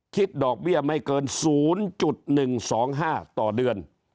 คิดดอกเบี้ยไม่เกิน๐๑๒๕ต่อเดือน